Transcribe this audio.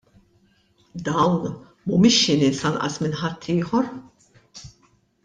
Dawn mhumiex xi nies anqas minn ħaddieħor.